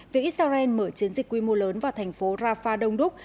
vì israel mở chiến dịch quy mô lớn vào thành phố rafah đông đúc